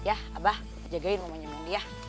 abah jagain mamanya mandi ya